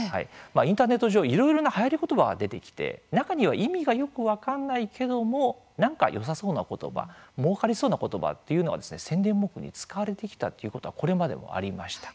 インターネット上いろいろなはやり言葉が出てきて、中には意味がよく分かんないけどもなんかよさそうな言葉もうかりそうな言葉というのが宣伝文句に使われてきたということはこれまでもありました。